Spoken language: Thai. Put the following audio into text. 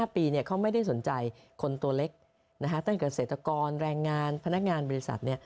๕ปีเขาไม่ได้สนใจคนตัวเล็กตั้งแต่เกษตรกรแรงงานพนักงานบริษัท